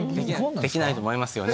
できないと思いますよね。